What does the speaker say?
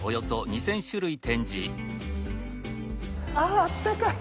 ああったかい。